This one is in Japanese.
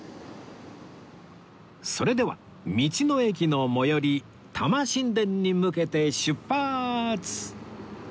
それでは道の駅の最寄り田間新田に向けて出発！